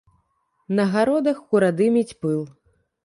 На гародах курадыміць пыл.